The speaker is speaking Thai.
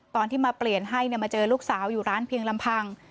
ตอนที่มาเปลี่ยนให้มาเจอลูกสาวอยู่ร้านเพียงลำพัง